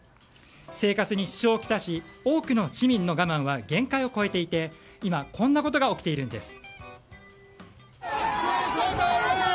生活に支障を来し多くの市民の我慢は限界を超えていて、今こんなことが起きているんです。